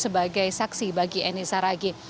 sebatik juga sebagai saksi bagi eni saragi